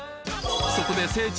そこで聖地